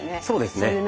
そうですね。